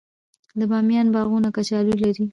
د بامیان باغونه کچالو لري.